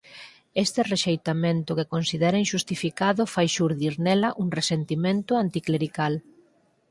Este rexeitamento que considera inxustificado fai xurdir nela un resentimento anticlerical.